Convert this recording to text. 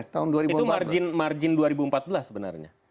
itu margin dua ribu empat belas sebenarnya